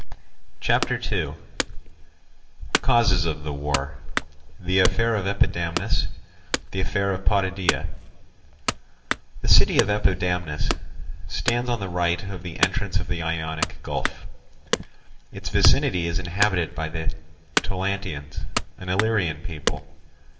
r. CHAPTER II Causes of the War—The Affair of Epidamnus—The Affair of Potidæa The city of Epidamnus stands on the right of the entrance of the Ionic Gulf. Its vicinity is inhabited by the Taulantians, an Illyrian people.